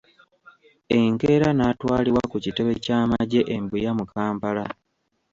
Enkeera n'atwalibwa ku kitebe ky'amagye e Mbuya mu Kampala.